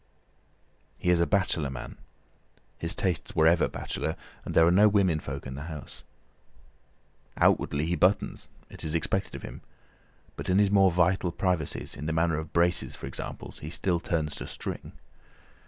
He is a bachelor man—his tastes were ever bachelor, and there are no women folk in the house. Outwardly he buttons—it is expected of him—but in his more vital privacies, in the matter of braces for example, he still turns to string.